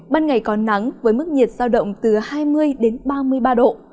ban ngày có nắng với mức nhiệt giao động từ hai mươi đến ba mươi ba độ